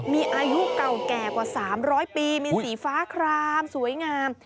มีอายุเก่าแก่กว่า๓๐๐ปีมีสีฟ้าคลามสวยงาม